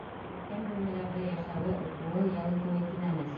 Күркәм бүлмәләрҙә йәшәүе, уҡыуы, ял итеүе кинәнес.